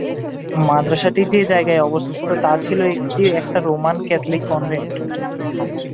মাদ্রাসাটি যে জায়গায় অবস্থিত তা ছিল একটি একটা রোমান ক্যাথলিক কনভেন্ট।